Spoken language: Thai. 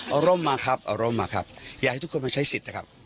เอาร่มมาครับเอาร่มมาครับอยากให้ทุกคนมาใช้สิทธิ์นะครับ